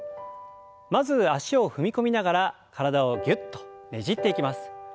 まず脚を踏み込みながら体をぎゅっとねじっていきます。